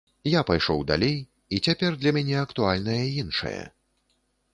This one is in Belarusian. Я пайшоў далей і цяпер для мяне актуальнае іншае.